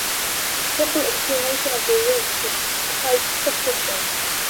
The simple explanation of the rule seems quite sufficient.